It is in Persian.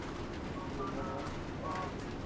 شلیک متوالی